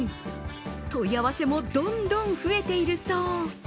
問い合わせも、どんどん増えているそう。